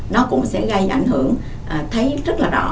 nó cũng sẽ gây ảnh hưởng thấy rất là rõ